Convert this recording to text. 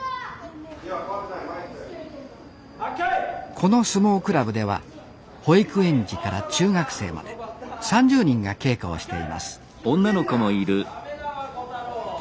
この相撲クラブでは保育園児から中学生まで３０人が稽古をしています